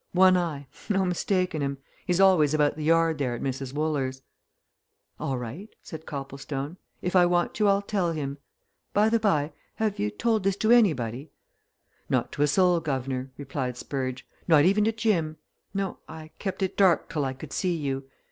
One eye, no mistaking of him he's always about the yard there at Mrs. Wooler's." "All right," said Copplestone. "If I want you, I'll tell him. By the bye, have you told this to anybody?" "Not to a soul, guv'nor," replied Spurge. "Not even to Jim. No I kept it dark till I could see you.